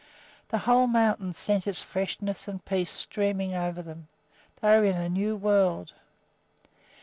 The whole mountain sent its freshness and peace streaming over them. They were in a new world.